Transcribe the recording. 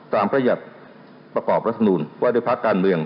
ตามพระญาติประกอบรัฐนุนไว้ด้วยพักการเมือง